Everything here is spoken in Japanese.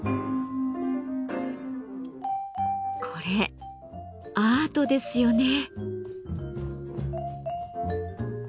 これアートですよね。